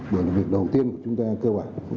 để làm việc đầu tiên của chúng ta cơ bản